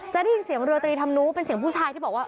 จะได้ยินเสียงเรือตรีทำนูเป็นเสียงผู้ชายที่บอกว่า